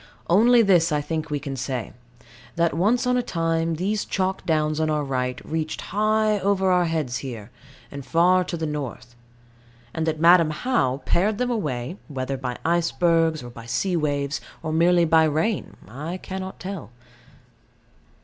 Only this I think we can say that once on a time these chalk downs on our right reached high over our heads here, and far to the north; and that Madam How pared them away, whether by icebergs, or by sea waves, or merely by rain, I cannot tell.